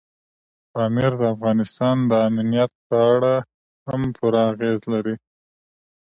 پامیر د افغانستان د امنیت په اړه هم پوره اغېز لري.